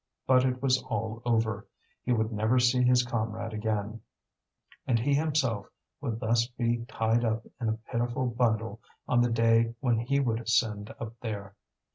But it was all over; he would never see his comrade again, and he himself would thus be tied up in a pitiful bundle on the day when he would ascend up there.